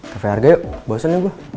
cafe arga yuk bosen ya gue